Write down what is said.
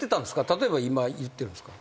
例えば今言ってるんですか？